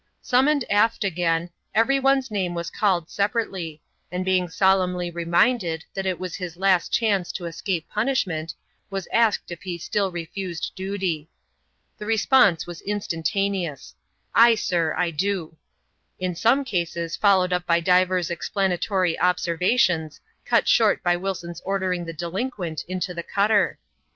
Summoned aft again, everyone's name was called separately; and being solemnly reminded that it was his last chance to escape punishment, was asked if he still refused duty. The response was instantaneous :" Ay, sir, I do." In some cases followed up by divers explanatory observations, cut short by Wilson's ordering the delinquent into the cutter.